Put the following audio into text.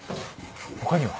他には？